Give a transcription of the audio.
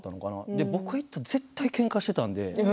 で、僕が行ったら絶対けんかしてたんで。